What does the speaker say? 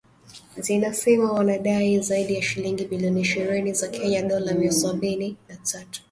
zinasema wanadai zaidi ya shilingi bilioni ishirini za Kenya dola mia sabini na tatu